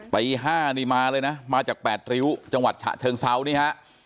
ตี๕นี่มาเลยนะมาจาก๘ริ้วจังหวัดฉะเชิงเซานี่ฮะ